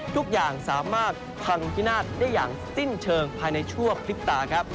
ทุกอย่างสามารถพังพินาศได้อย่างสิ้นเชิงภายในชั่วพลิบตาครับ